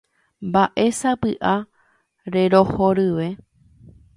Mba'e sa'ýpa rerohoryve.